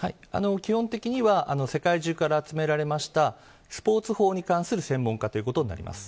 基本的には世界中から集められましたスポーツ法に関する専門家ということになります。